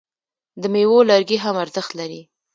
د میوو لرګي هم ارزښت لري.